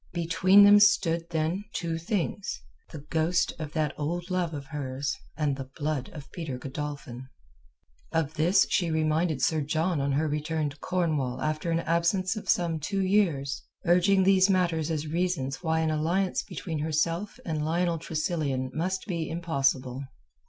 Between them stood, then, two things; the ghost of that old love of hers and the blood of Peter Godolphin. Of this she reminded Sir John on her return to Cornwall after an absence of some two years, urging these matters as reasons why an alliance between herself and Lionel Tressilian must be impossible.